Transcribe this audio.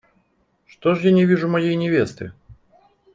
Что ж я не вижу моей невесты?